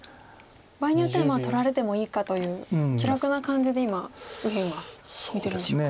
場合によっては取られてもいいかという気楽な感じで今右辺は見てるんでしょうか。